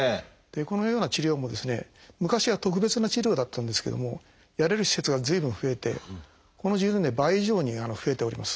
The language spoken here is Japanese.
このような治療もですね昔は特別な治療だったんですけどもやれる施設が随分増えてこの１０年で倍以上に増えております。